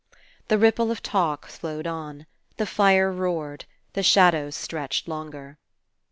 The ripple of talk flowed on. The fire roared. The shadows stretched longer.